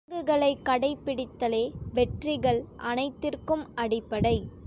ஒழுங்குகளை கடைப்பிடித்தலே வெற்றிகள் அனைத்திற்கும் அடிப்படை.